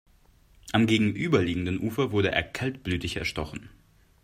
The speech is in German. Am gegenüberliegenden Ufer wurde er kaltblütig erstochen.